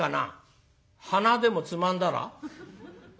「鼻でもつまんだら？」。